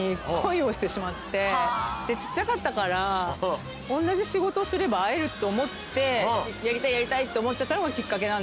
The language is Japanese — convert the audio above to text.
でちっちゃかったからおんなじ仕事すれば会えるって思ってやりたいやりたいって思っちゃったのがきっかけ。